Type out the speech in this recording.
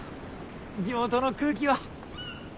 地元の空気は。